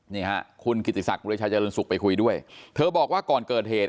นี่ฮะคุณกิติศักดิชาเจริญสุขไปคุยด้วยเธอบอกว่าก่อนเกิดเหตุ